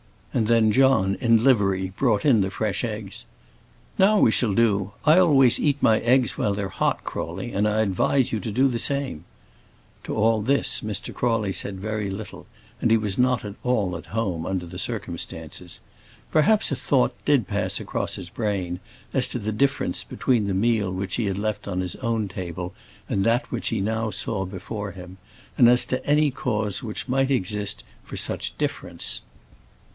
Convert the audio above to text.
And then John, in livery, brought in the fresh eggs. "Now we shall do. I always eat my eggs while they're hot, Crawley, and I advise you to do the same." To all this Mr. Crawley said very little, and he was not at all at home under the circumstances. Perhaps a thought did pass across his brain, as to the difference between the meal which he had left on his own table, and that which he now saw before him; and as to any cause which might exist for such difference.